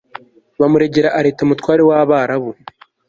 bamuregera areta, umutware w'abarabu